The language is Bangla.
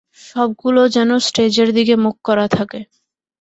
সবগুলো যেন স্টেজের দিকে মুখ করা থাকে।